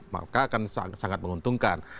maka akan sangat menguntungkan